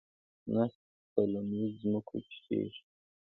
نسک په للمي ځمکو کې کیږي.